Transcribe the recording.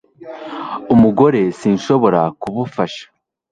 umugore sinshobora kubufasha